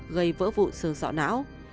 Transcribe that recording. gây vỡ vụ sương sọ não